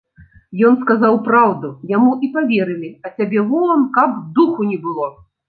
Ён сказаў праўду, яму і паверылі, а цябе вон, каб духу не было.